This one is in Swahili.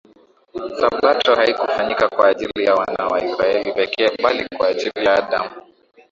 Sabato haikufanyika kwa ajili ya wana wa Israeli pekee bali kwa ajili ya Adam